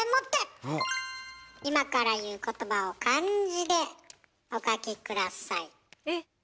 今から言う言葉を漢字でお書き下さい。